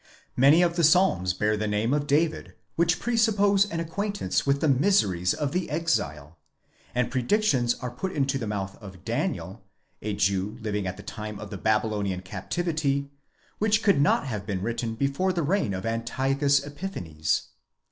Many of the Psalms bear the name of David which presuppose an acquaintance with the miseries of the exile ; and predictions are put into the mouth of Daniel, a Jew living at the time of the Babylonish captivity, which could not have been written before the reign of Antiochus Epiphanes.